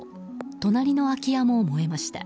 隣の空き家も燃えました。